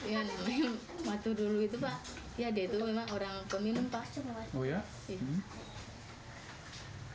ya itu memang orang peminum pak